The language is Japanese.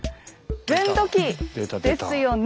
分度器ですよね。